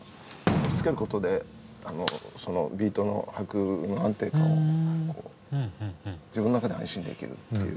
押しつけることでビートの拍の安定感をこう自分の中で安心できるっていう。